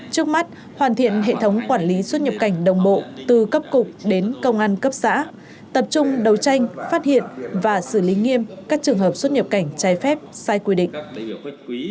trước mắt hoàn thiện hệ thống quản lý xuất nhập cảnh đồng bộ từ cấp cục đến công an cấp xã tập trung đấu tranh phát hiện và xử lý nghiêm các trường hợp xuất nhập cảnh trái phép sai quy định